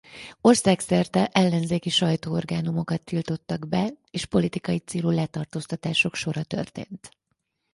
Országszerte ellenzéki sajtóorgánumokat tiltottak be és politikai célú letartóztatások sora történt.